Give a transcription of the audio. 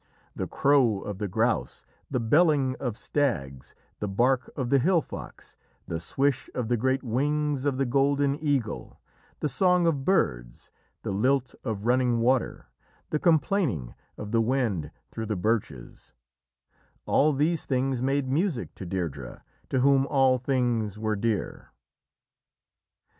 The crow of the grouse, the belling of stags, the bark of the hill fox, the swish of the great wings of the golden eagle, the song of birds, the lilt of running water, the complaining of the wind through the birches all these things made music to Deirdrê, to whom all things were dear.